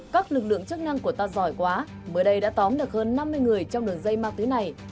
các lực lượng chức năng của ta giỏi quá mới đây đã tóm được hơn năm mươi người trong đường dây ma túy này